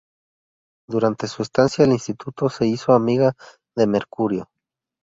Durante su estancia en el instituto, se hizo amiga de Mercurio.